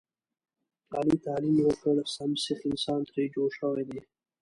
علي تعلیم وکړ سم سیخ انسان ترې جوړ شوی دی.